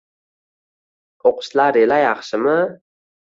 O’qishlarila yaxshimi?